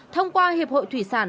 thông qua hiệp hội thủy sản